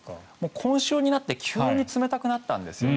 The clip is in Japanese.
今週になって急に冷たくなったんですよね。